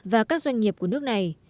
và các doanh nghiệp của nước này